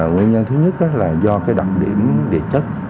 nguyên nhân thứ nhất là do cái đặc điểm địa chất